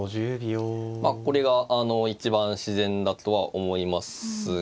これが一番自然だとは思いますが。